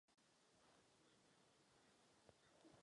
Dolní komorou je Kongres poslanců.